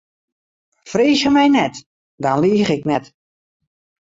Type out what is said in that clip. Freegje my net, dan liich ik net.